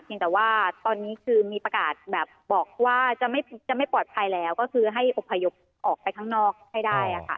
ยังแต่ว่าตอนนี้คือมีประกาศแบบบอกว่าจะไม่ปลอดภัยแล้วก็คือให้อบพยพออกไปข้างนอกให้ได้ค่ะ